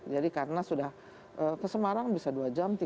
jadi karena sudah ke semarang bisa dua jam